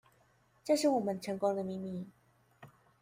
這是我們成功的秘密